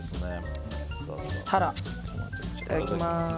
タラ、いただきます。